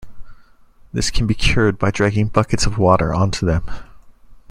This can be cured by dragging buckets of water onto them.